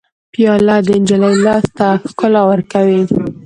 پیاله د نجلۍ لاس ته ښکلا ورکوي.